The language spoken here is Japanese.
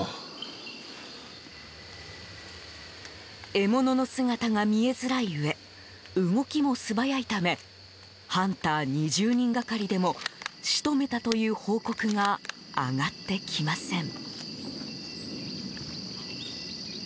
獲物の姿が見えづらいうえ動きも素早いためハンター２０人がかりでも仕留めたという報告が上がってきません。